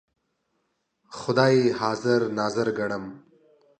خدای حاضر ناظر ګڼم.